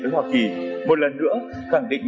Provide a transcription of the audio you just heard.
với hoa kỳ một lần nữa khẳng định